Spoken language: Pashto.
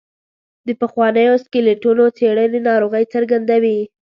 د پخوانیو سکلیټونو څېړنې ناروغۍ څرګندوي.